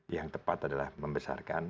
yang tepat adalah membesarkan